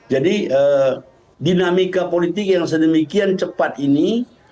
jadi dinamika politik yang sedemikian cepat ini